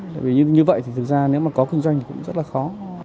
bởi vì như vậy thì thực ra nếu mà có kinh doanh thì cũng rất là khó